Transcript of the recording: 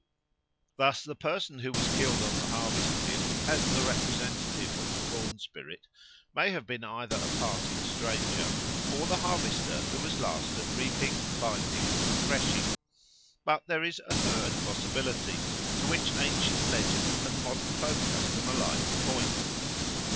Thus the person who was killed on the harvest field as the representative of the corn spirit may have been either a passing stranger or the harvester who was last at reaping, binding, or threshing. But there is a third possibility, to which ancient legend and modern folk custom alike point.